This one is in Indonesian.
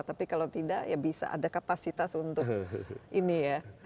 tapi kalau tidak ya bisa ada kapasitas untuk ini ya